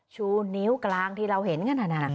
ชูนิ้วกลางที่เราเห็นกัน